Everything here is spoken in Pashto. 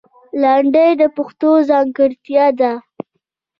لندۍ د پښتو ځانګړتیا ده